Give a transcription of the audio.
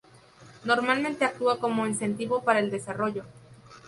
Normalmente actúa como incentivo para el desarrollo.